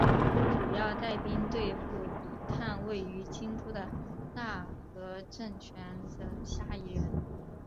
主要带兵对付抵抗位于京都的大和政权的虾夷人。